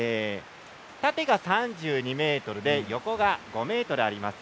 縦が３２ｍで横が５ｍあります。